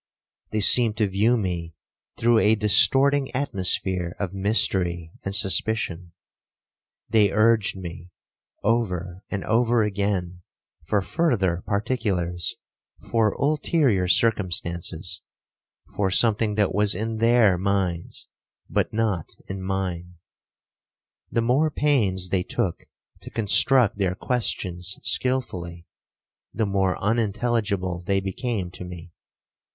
They seemed to view me through a distorting atmosphere of mystery and suspicion. They urged me, over and over again, for further particulars,—for ulterior circumstances,—for something that was in their minds, but not in mine. The more pains they took to construct their questions skilfully, the more unintelligible they became to me.